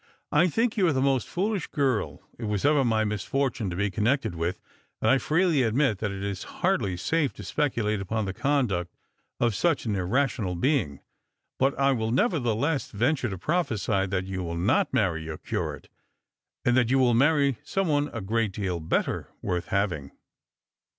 " I think you are the most foolish girl it was ever my misfortune to be connected with, and I freely admit that it is hardly safe to speculate upon the conduct of such an irrational being. But I will nevertheless venture to prophesy that you will not marry your curate, and that you will marry some one a great deal better worth having."